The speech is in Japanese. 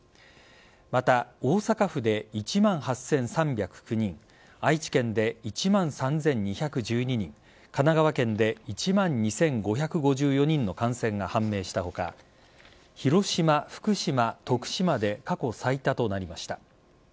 また、大阪府で１万８３０９人愛知県で１万３２１２人神奈川県で１万２５５４人の感染が判明した他広島、福島、徳島で過去最多となりました。